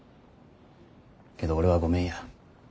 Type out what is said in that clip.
けど俺はごめんや。